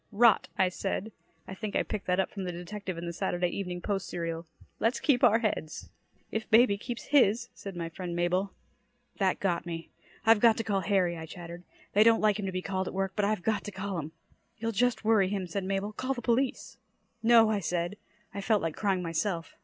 "Rot," I said; I think I picked that up from the detective in the Saturday Evening Post serial. "Let's keep our heads." "If baby keeps his," said my friend Mabel. That got me. "I've got to call Harry," I chattered. "They don't like him to be called at work, but I've got to call him." "You'll just worry him," said Mabel. "Call the police." "No!" I said. I felt like crying myself.